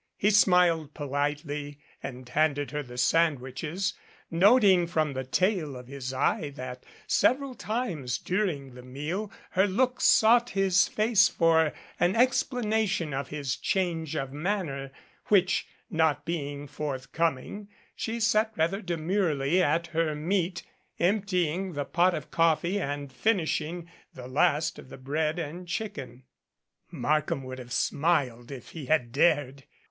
He smiled politely and handed her the sandwiches, noting from the tail of his eye that several times during the meal her look sought his face for an explanation of his change of manner, which, not being forthcoming, she sat rather demurely at her meat, emptying the pot of coffee and finishing the last of the bread and chicken. Markham would have smiled if he had dared!